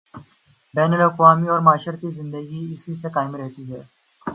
بین الاقوامی اورمعاشرتی زندگی اسی سے قائم رہتی ہے۔